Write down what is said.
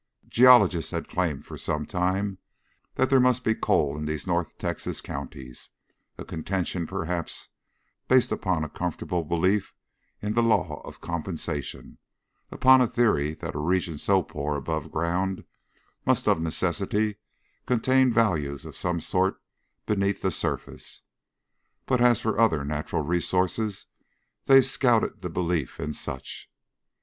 Geologists had claimed for some time that there must be coal in these north Texas counties, a contention perhaps based upon a comfortable belief in the law of compensation, upon a theory that a region so poor aboveground must of necessity contain values of some sort beneath the surface. But as for other natural resources, they scouted the belief in such.